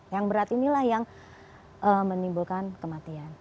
yang berat inilah yang menimbulkan kematian